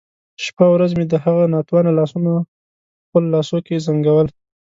شپه او ورځ مې د هغه ناتوانه لاسونه په خپلو لاسو کې زنګول.